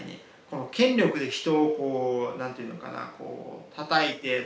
この権力で人をこう何ていうのかなこうたたいて。